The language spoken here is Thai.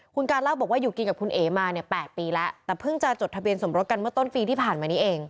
คุณการเล่าบอกว่าอยู่กินกับคุณเอ๋มาเนี่ย๘ปีแล้วแต่เพิ่งจะจดทะเบียนสมรสกันเมื่อต้นปีที่ผ่านมานี้เอง